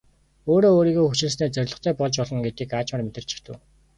Өөрөө өөрийгөө хүчилснээр зорилготой болж болно гэдгийг аажмаар мэдэрч эхлэв.